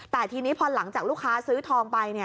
แต่ทีนี้พอหลังจากลูกค้าซื้อทองไป